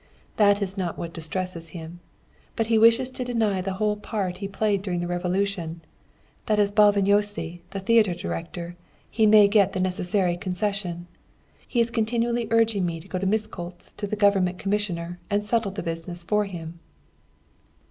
That is not what distresses him. But he wishes to deny the whole part he played during the Revolution, that as Bálványossi, the theatre director, he may get the necessary concession. He is continually urging me to go to Miskolcz to the Government Commissioner and settle the business for him."